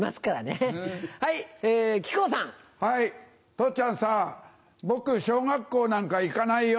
父ちゃんさ僕小学校なんか行かないよ。